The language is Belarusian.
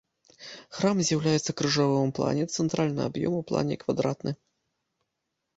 Храм з'яўляецца крыжовым у плане, цэнтральны аб'ём у плане квадратны.